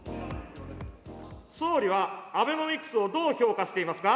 総理はアベノミクスのどう評価していますか。